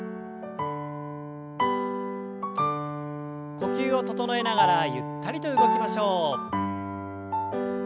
呼吸を整えながらゆったりと動きましょう。